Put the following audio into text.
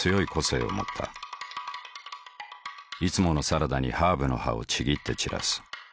いつものサラダにハーブの葉をちぎって散らす。